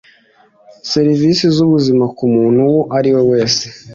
serivisi z ubuzima ku muntu uwo ari wese